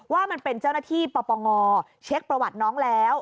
ว่ามันเป็นเจ้าหน้าที่ปปงเช็คประวัติน้องแล้ว